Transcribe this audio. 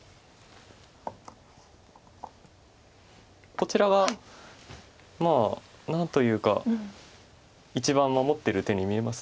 こちらはまあ何というか一番守ってる手に見えます。